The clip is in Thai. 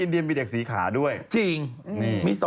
หมาหมาหมาหมาหมา